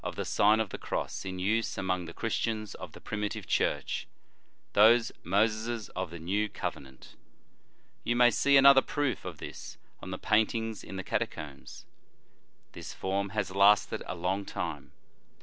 "* Such was the eloquent form of the Sign of the_ Cross in use among the Christians of the primitive Church, those Moseses of the new covenant. You may see another proof of this on the paintings in the Catacombs. This form has lasted a long time.